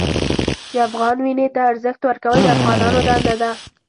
د افغان وینې ته ارزښت ورکول د افغانانو دنده ده.